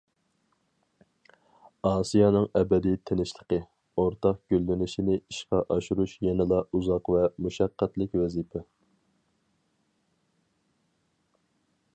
ئاسىيانىڭ ئەبەدىي تىنچلىقى، ئورتاق گۈللىنىشىنى ئىشقا ئاشۇرۇش يەنىلا ئۇزاق ۋە مۇشەققەتلىك ۋەزىپە.